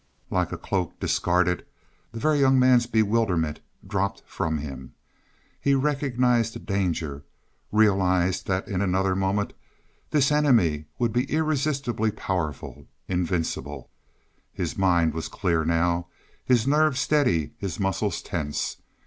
Like a cloak discarded, the Very Young Man's bewilderment dropped from him. He recognized the danger, realized that in another moment this enemy would be irresistibly powerful invincible. His mind was clear now, his nerves steady, his muscles tense.